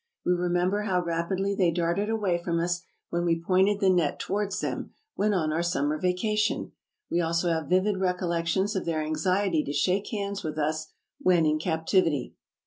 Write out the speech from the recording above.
We remember how rapidly they darted away from us when we pointed the net towards them, when on our summer vacation. We also have vivid recollections of their anxiety to shake hands with us when in captivity.